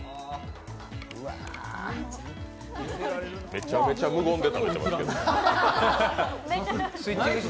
めちゃめちゃ無言で食べてます。